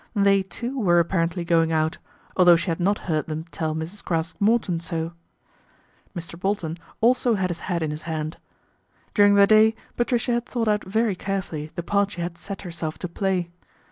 They, too, were ap parently going out, although she had not heard them tell Mrs. Craske Morton so. Mr. Bolton also had his hat in his hand. During the day Patricia had thought out very carefully the part she had set herself to play.